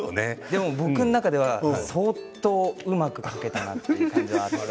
でも僕の中では相当うまく描けたなという感じがあって。